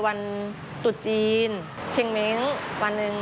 วันตุดจีนเชงเม้งวันหนึ่ง